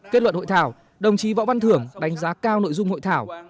kết luận hội thảo đồng chí võ văn thưởng đánh giá cao nội dung hội thảo